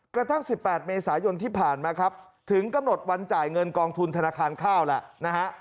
กระทั่ง๑๘เมษายนที่ผ่านมาครับถึงกำหนดวันจ่ายเงินกองทุนธนาคารข้าวแล้วนะฮะ